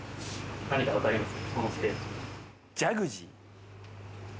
何かわかります？